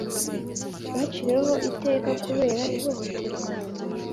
baciriweho iteka Kubera ihohoterwa?